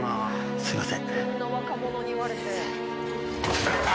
すみません。